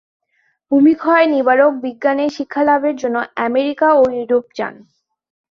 ভূমিক্ষয়-নিবারক বিজ্ঞানে শিক্ষালাভের জন্য আমেরিকা ও ইউরোপ যান।